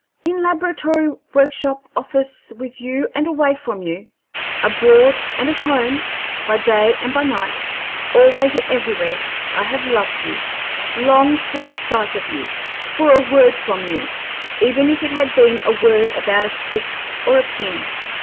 In laboratory, workshop, office, with you and away from you, abroad and at home, by day and by night, always and everywhere I have loved you, longed for a sight of you, for a word from you, even if it had been a word about a stick or a pin.